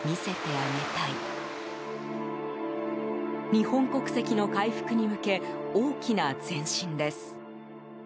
日本国籍の回復に向け大きな前進です。